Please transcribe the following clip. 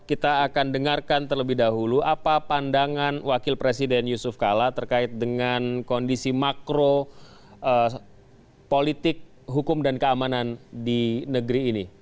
kita akan dengarkan terlebih dahulu apa pandangan wakil presiden yusuf kala terkait dengan kondisi makro politik hukum dan keamanan di negeri ini